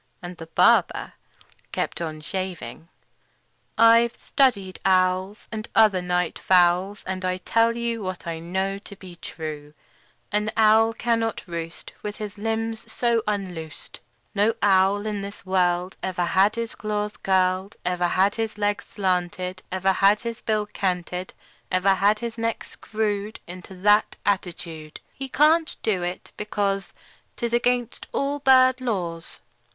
And the barber kept on shaving. "I've studied owls, And other night fowls, And I tell you What I know to be true: An owl cannot roost With his limbs so unloosed; No owl in this world Ever had his claws curled, Ever had his legs slanted, Ever had his bill canted, Ever had his neck screwed Into that attitude. He can't do it, because 'T is against all bird laws.